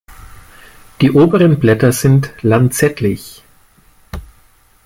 Die oberen Blätter sind lanzettlich.